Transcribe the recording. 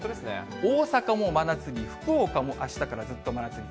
大阪も真夏日、福岡もあしたからずっと真夏日。